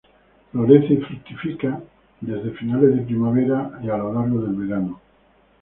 Florece y fructifica desde finales de primavera y a lo largo del verano.